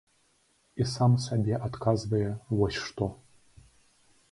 І сам сабе адказвае вось што.